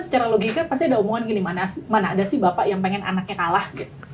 secara logika pasti ada omongan mana ada sih bapak yang pengen anaknya kalah gitu